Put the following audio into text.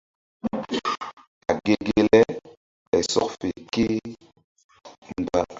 A ge ge le ɓay sɔk fe ké e mgba.